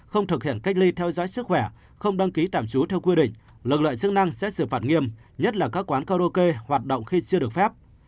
không thực hiện cách ly theo dõi sức khỏe không đăng ký tạm trú theo quy định lực lượng chức năng sẽ xử phạt nghiêm nhất là các quán karaoke hoạt động khi chưa được phép